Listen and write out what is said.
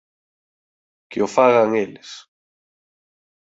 Que o fagan eles!